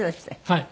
はい。